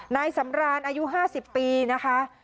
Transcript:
นายสำรานอายุ๕๐ปีนะคะ